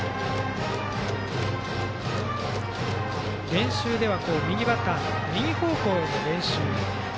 練習では右バッターの右方向への練習。